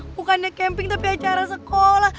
udah kemampuan ke camping tapi acara sekolah